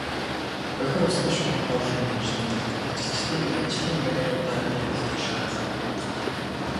Бохир усны шугам хоолойн инженерт ажилчдын ажлын байруудаар эргэлдэх шаардлага байнга гарна.